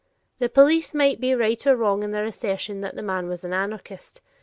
The police might be right or wrong in their assertion that the man was an anarchist.